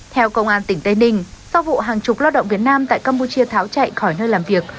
theo công an tỉnh tây ninh sau vụ hàng chục lao động việt nam tại campuchia tháo chạy khỏi nơi làm việc